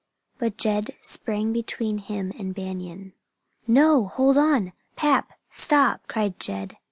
But Jed sprang between him and Banion. "No! Hold on, Pap stop!" cried Jed.